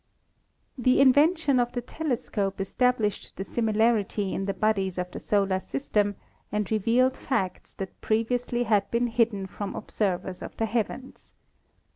The invention of the telescope established the similarity in the bodies of the solar system and revealed facts that previously had been hidden from observers of the heavens..